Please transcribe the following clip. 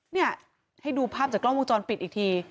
เนี่ยให้ดูภาพจากกล้องวงจรปิดอีกที